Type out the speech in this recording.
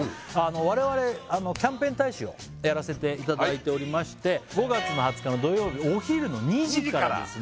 我々キャンペーン大使をやらせていただいておりまして５月２０日の土曜日お昼の２時からですね